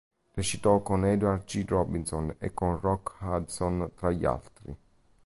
Recitò con Edward G. Robinson e con Rock Hudson tra gli altri.